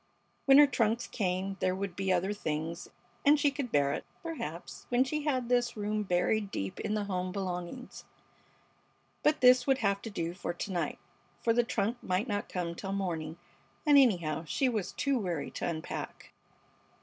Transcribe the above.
When her trunks came there would be other things, and she could bear it, perhaps, when she had this room buried deep in the home belongings. But this would have to do for to night, for the trunk might not come till morning, and, anyhow, she was too weary to unpack.